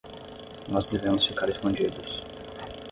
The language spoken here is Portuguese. Nós devemos ficar escondidos.